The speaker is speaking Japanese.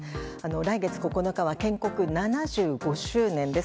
来月９日は建国７５周年です。